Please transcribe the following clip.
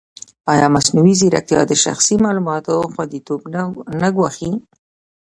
ایا مصنوعي ځیرکتیا د شخصي معلوماتو خوندیتوب نه ګواښي؟